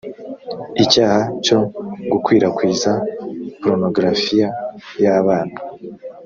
icyaha cyo gukwirakwiza porunogarafiya y abana